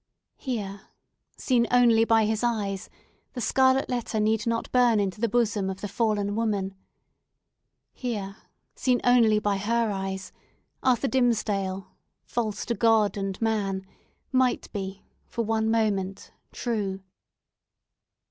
Here seen only by his eyes, the scarlet letter need not burn into the bosom of the fallen woman! Here seen only by her eyes, Arthur Dimmesdale, false to God and man, might be, for one moment true!